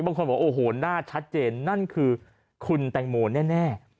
บางคนบอกโอ้โหหน้าชัดเจนนั่นคือคุณแตงโมแน่